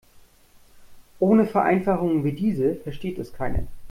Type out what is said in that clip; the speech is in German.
Ohne Vereinfachungen wie diese versteht es keiner.